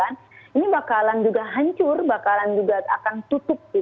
ini bakalan juga hancur bakalan juga akan tutup